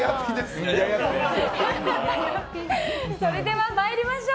それでは参りましょう。